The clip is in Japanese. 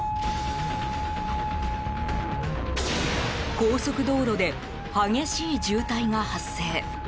高速道路で激しい渋滞が発生。